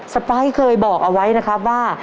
ไปเคยบอกเอาไว้นะครับว่า